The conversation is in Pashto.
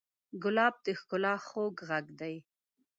ګلاب د ښکلا خوږ غږ دی.